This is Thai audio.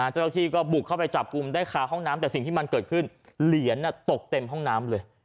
เจ้าหน้าที่ก็บุกเข้าไปจับกลุ่มได้คาห้องน้ำแต่สิ่งที่มันเกิดขึ้นเหรียญตกเต็มห้องน้ำเลย